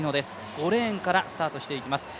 ５レーンからスタートしていきます